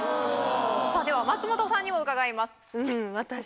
さぁでは松本さんにも伺います。